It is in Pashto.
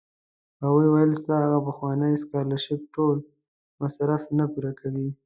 هغوی ویل ستا هغه پخوانی سکالرشېپ ټول مصارف نه پوره کوي.